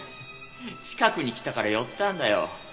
近くに来たから寄ったんだよ。